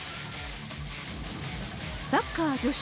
サッカー女子